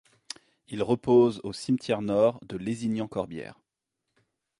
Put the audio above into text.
Il repose au cimetière nord de Lézignan-Corbières.